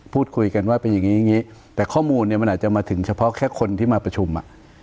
พูดคุยกันว่าเป็นอย่างนี้อย่างนี้แต่ข้อมูลเนี่ยมันอาจจะมาถึงเฉพาะแค่คนที่มาประชุม